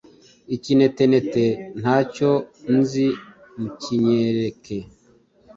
Ikinetenete ntacyo nzi mukinyereke